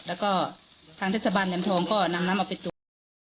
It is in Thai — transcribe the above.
แล้วก็ทางเทศบาลแหลมทองก็นำน้ำเอาไปตรวจ